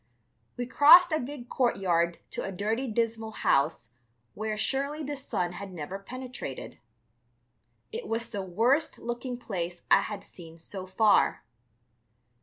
We crossed a big courtyard to a dirty, dismal house where surely the sun had never penetrated. It was the worst looking place I had seen so far.